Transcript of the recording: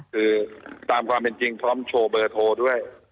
คือตามความเป็นจริงพร้อมโชว์เบอร์โทรด้วย